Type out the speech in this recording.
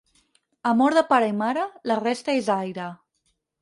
Amor de pare i mare, la resta és aire.